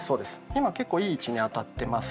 今結構いい位置に当たってますよ。